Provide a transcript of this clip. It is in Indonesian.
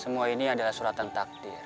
semua ini adalah suratan takdir